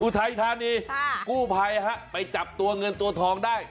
ทัยธานีกู้ภัยฮะไปจับตัวเงินตัวทองได้